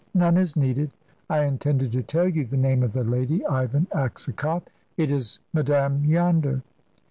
"None is needed. I intended to tell you the name of the lady, Ivan Aksakoff; it is madame yonder."